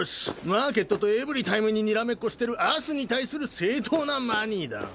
マーケットとエブリタイムににらめっこしてるアスに対する正当なマニーだ。